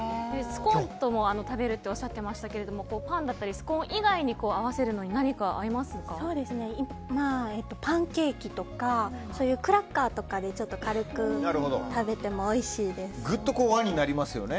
スコーンとも食べるっておっしゃってましたけどパンだったりスコーン以外に合わせるのにパンケーキとかそういうクラッカーとかで軽く食べてもぐっと和になりますよね。